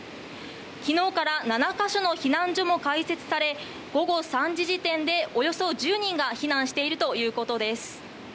昨日から７か所の避難所も開設され午後３時時点でおよそ１０人が避難しているということです。